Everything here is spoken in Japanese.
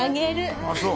ああそう。